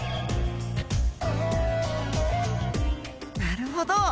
なるほど。